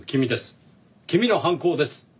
君の犯行です。